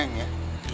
jaga neng ya